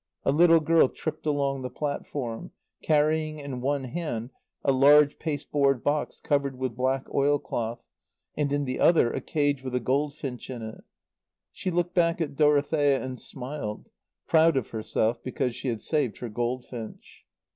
A little girl tripped along the platform, carrying in one hand a large pasteboard box covered with black oilcloth, and in the other a cage with a goldfinch in it. She looked back at Dorothea and smiled, proud of herself because she had saved her goldfinch.